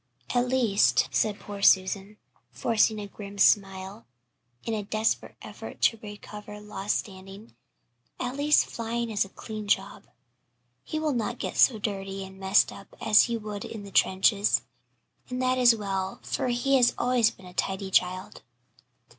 At least," said poor Susan, forcing a grim smile in a desperate effort to recover lost standing, "at least flying is a clean job. He will not get so dirty and messed up as he would in the trenches, and that is well, for he has always been a tidy child."